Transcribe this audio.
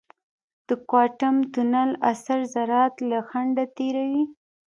د کوانټم تونل اثر ذرات له خنډه تېروي.